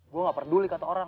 gue gak peduli kata orang